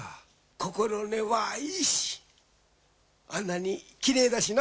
心根はいいしあんなにきれいだしな。